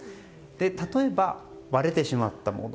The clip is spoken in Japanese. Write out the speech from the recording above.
例えば、割れてしまったもの